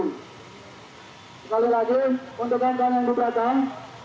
sekali lagi untuk kawan kawan yang di belakang